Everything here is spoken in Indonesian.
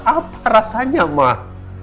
apa rasanya mak